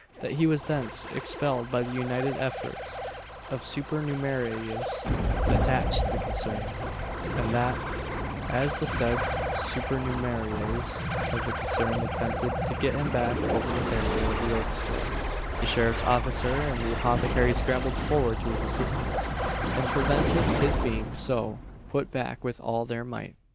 That he was thence expelled by the united efforts of supernumeraries attached to the concern; and that, as the said supernumeraries of the concern attempted to get him back over the barrier of the orchestra, the sheriff's officer and the apothecary scrambled forward to his assistance, and prevented his being so put back with all their might.